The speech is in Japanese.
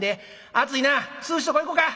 『暑いな』『涼しいとこ行こか』